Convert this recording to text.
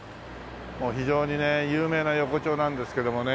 もう非常にね有名な横丁なんですけどもね。